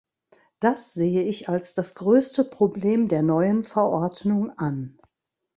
Das sehe ich als das größte Problem der neuen Verordnung an.